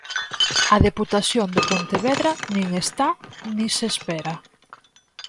A Deputación de Pontevedra nin está ni se espera.